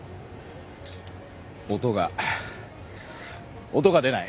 音が音が出ない。